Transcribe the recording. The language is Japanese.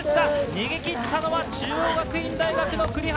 逃げ切ったのは中央学院大学の栗原。